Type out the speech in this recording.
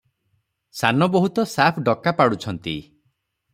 ସାନ ବୋହୂତ ସାଫ୍ ଡକା ପାଡୁଛନ୍ତି ।